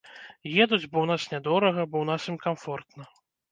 Едуць бо ў нас нядорага, бо ў нас ім камфортна.